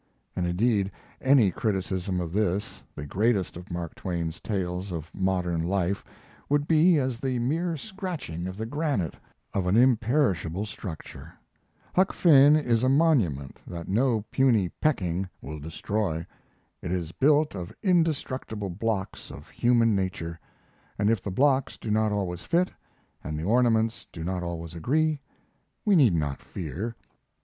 And indeed any criticism of this the greatest of Mark Twain's tales of modern life would be as the mere scratching of the granite of an imperishable structure. Huck Finn is a monument that no puny pecking will destroy. It is built of indestructible blocks of human nature; and if the blocks do not always fit, and the ornaments do not always agree, we need not fear.